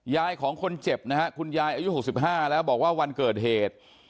ของคนเจ็บนะฮะคุณยายอายุ๖๕แล้วบอกว่าวันเกิดเหตุ